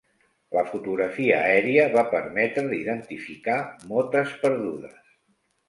La fotografia aèria va permetre d'identificar motes perdudes.